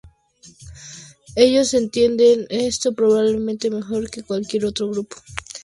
Ellos entienden esto probablemente mejor que cualquier otro grupo.